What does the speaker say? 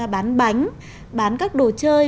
bán bánh bán các đồ chơi